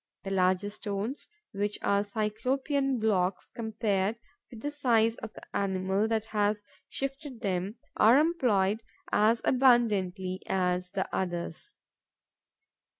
The larger stones, which are Cyclopean blocks compared with the size of the animal that has shifted them, are employed as abundantly as the others.